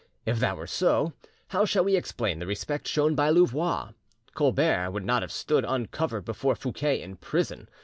If that were so, how shall we explain the respect shown by Louvois? Colbert would not have stood uncovered before Fouquet in prison.